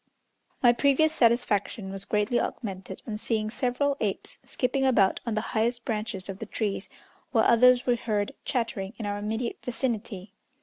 My previous satisfaction was greatly augmented on seeing several apes skipping about on the highest branches of the trees, while others were heard chattering in our immediate vicinity.